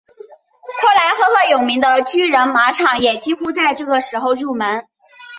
后来赫赫有名的巨人马场也几乎在这个时候入门。